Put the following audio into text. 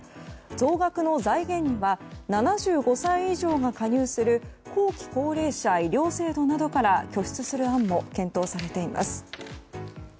増額の財源は７５歳以上が加入する後期高齢者医療制度などから拠出する案も検討されています。